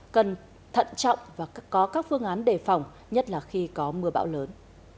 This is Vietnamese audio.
cần thận trọng và có các phương án đề phòng nhất là khi có mưa bão lớn